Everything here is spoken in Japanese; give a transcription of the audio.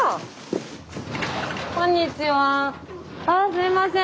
あすいません。